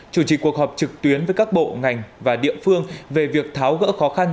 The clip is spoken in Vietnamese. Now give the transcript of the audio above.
chủ trì cuộc họp trực tuyến với các bộ ngành và địa phương về việc tháo gỡ khó khăn